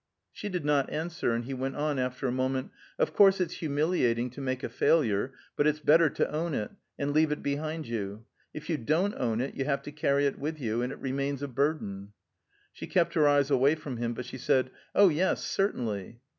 She did not answer, and he went on, after a moment: "Of course, it's humiliating to make a failure, but it's better to own it, and leave it behind you; if you don't own it, you have to carry it with you, and it remains a burden." She kept her eyes away from him, but she said, "Oh, yes; certainly."